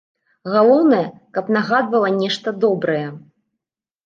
Галоўнае, каб нагадвала нешта добрае.